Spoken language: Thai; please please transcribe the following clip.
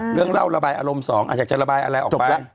เรื่องเล่าระบายอารมณ์สองอาจจะระบายอะไรออกไป